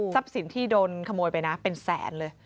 สินที่โดนขโมยไปนะเป็นแสนเลย